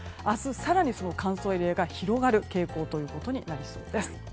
更に乾燥エリアが広がる傾向ということになりそうです。